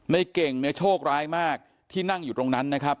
เก่งเนี่ยโชคร้ายมากที่นั่งอยู่ตรงนั้นนะครับ